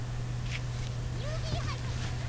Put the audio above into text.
郵便配達だよ。